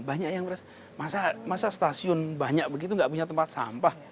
banyak yang merasa masa stasiun banyak begitu nggak punya tempat sampah